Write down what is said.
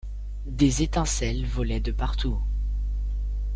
Des étincelles volaient de partout.